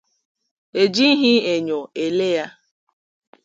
e jighị enyò ele ya.